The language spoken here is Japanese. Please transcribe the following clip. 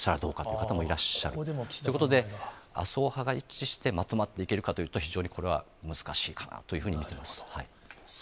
ここでも岸田さんの名前が。ということで、麻生派が一致してまとまっていけるかというと、非常にこれは難しいかなというふなるほど。